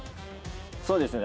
そうですね。